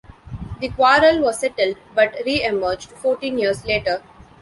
The quarrel was settled, but reemerged fourteen years later.